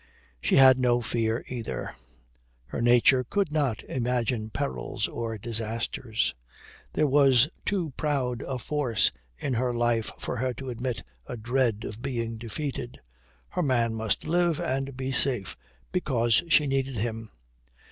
She had no fear either. Her nature could not imagine perils or disasters. There was too proud a force in her life for her to admit a dread of being defeated. Her man must live and be safe, because she needed him.